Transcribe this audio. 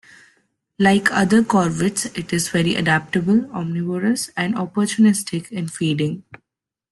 Like other corvids it is very adaptable, omnivorous and opportunistic in feeding.